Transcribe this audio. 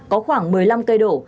có khoảng một mươi năm cây đổ